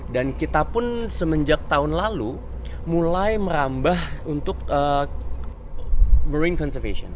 dan kita pun semenjak tahun lalu mulai merambah untuk marine conservation